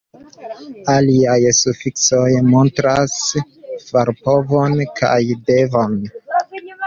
Aliaj sufiksoj montras farpovon kaj devon.